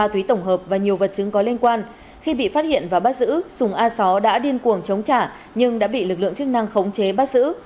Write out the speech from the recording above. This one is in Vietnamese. tuy tổng hợp và nhiều vật chứng có liên quan khi bị phát hiện và bắt giữ sùng a sáu đã điên cuồng chống trả nhưng đã bị lực lượng chức năng khống chế bắt giữ